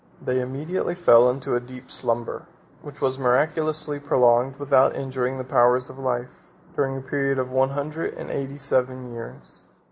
They immediately fell into a deep slumber, which was miraculously prolonged without injuring the powers of life, during a period of one hundred and eighty seven years.